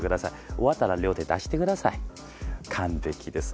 終わったら両手出してください完璧です。